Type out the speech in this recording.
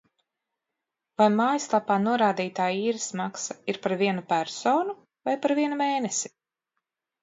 Vai mājaslapā norādītā īres maksa ir par vienu personu vai par vienu mēnesi?